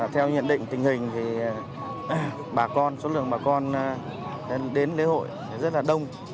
theo nhận định tình hình số lượng bà con đến lễ hội rất là đông